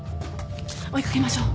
追い掛けましょう。